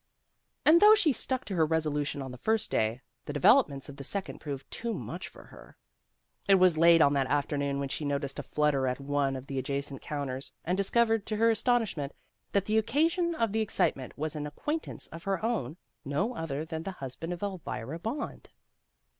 And though she stuck to her resolu tion on the first day, the developments of the second proved too much for her. It was late on that afternoon when she noticed a flutter at one of the adjacent counters, and discovered to her astonishment, that the occasion of the excitement was an acquaintance of her own, no other than the husband of Elvira Bond.